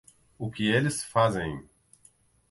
O que eles fazem